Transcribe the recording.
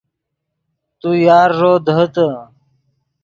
تو یارݱو دیہیتے